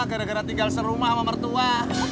gara gara tinggal serumah sama mertua